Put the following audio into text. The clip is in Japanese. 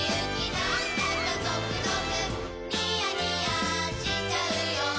なんだかゾクゾクニヤニヤしちゃうよ